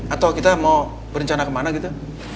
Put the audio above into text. atau kita mau berencana kemana gitu